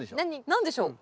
何でしょう？